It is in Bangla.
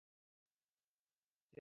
শুনেছি, স্যার।